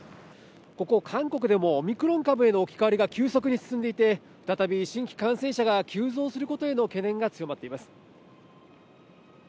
ここ、韓国でも、オミクロン株への置き換わりが急速に進んでいて、再び新規感染者が急増することへの懸念が強まっています。